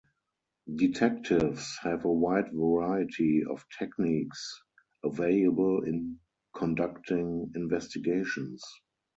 Detectives have a wide variety of techniques available in conducting investigations.